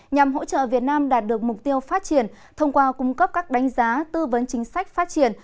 nhằm hỗ trợ việt nam đạt được mục tiêu phát triển thông qua cung cấp các đánh giá tư vấn chính sách phát triển